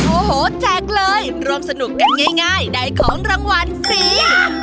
โอ้โหแจกเลยร่วมสนุกกันง่ายได้ของรางวัลสี